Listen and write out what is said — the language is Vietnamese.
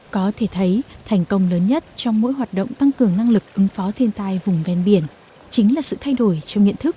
có thể thấy thành công lớn nhất trong mỗi hoạt động tăng cường năng lực ứng phó thiên tai vùng ven biển chính là sự thay đổi trong nhận thức